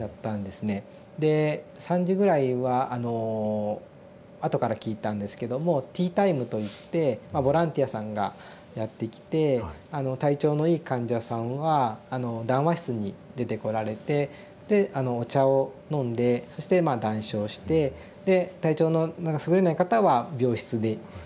で３時ぐらいはあのあとから聞いたんですけどもティータイムといってボランティアさんがやって来て体調のいい患者さんは談話室に出てこられてでお茶を飲んでそしてまあ談笑してで体調のすぐれない方は病室にあのお茶を運ばれたりとかですね。